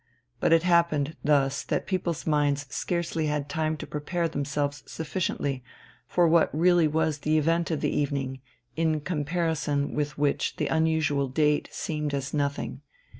But it happened thus that people's minds scarcely had time to prepare themselves sufficiently for what really was the event of the evening, in comparison with which the unusual date seemed as nothing.